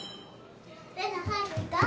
麗奈早く行こう！